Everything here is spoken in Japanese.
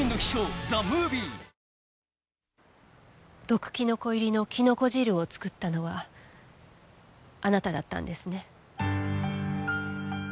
毒キノコ入りのキノコ汁を作ったのはあなただったんですね。